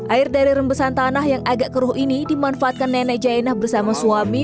air dari rembesan tanah yang agak keruh ini dimanfaatkan nenek jayena bersama suami